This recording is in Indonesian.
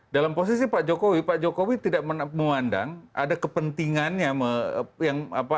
dalam posisi pak jokowi pak jokowi tidak memandang ada kepentingannya